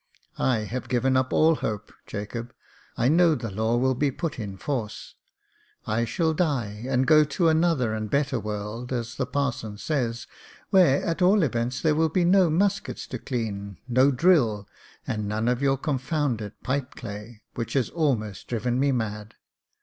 " I have given up all hope, Jacob. I know the law will be put in force. I shall die and go to another and a better world, as the parson says, where, at all events, there will be no muskets to clean, no drill, and none of your con founded pipe clay, which has almost driven me mad.